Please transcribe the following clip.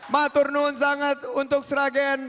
maturnuun sangat untuk sragen